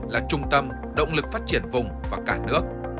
là trung tâm động lực phát triển vùng và cả nước